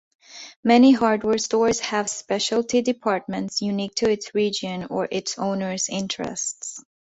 Many hardware stores have specialty departments unique to its region or its owner's interests.